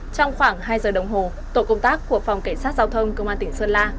trong khoảng hai giờ đồng hồ tổ công tác của phòng cảnh sát giao thông công an tỉnh sơn la